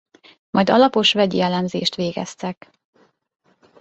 Majd alapos vegyi elemzést végeztek.